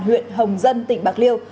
huyện hồng dân tỉnh bạc liêu